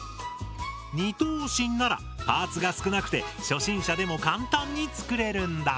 ２頭身ならパーツが少なくて初心者でも簡単に作れるんだ。